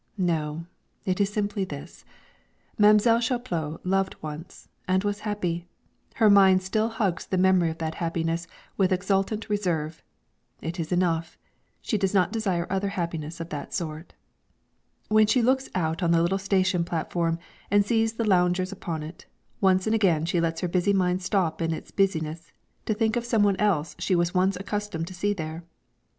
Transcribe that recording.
No, it is simply this: Mam'selle Chaplot loved once, and was happy; her mind still hugs the memory of that happiness with exultant reserve; it is enough; she does not desire other happiness of that sort. When she looks out on the little station platform and sees the loungers upon it, once and again she lets her busy mind stop in its business to think of some one else she was once accustomed to see there.